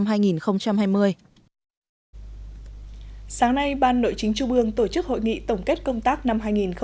sáng nay ban nội chính trung ương tổ chức hội nghị tổng kết công tác năm hai nghìn một mươi chín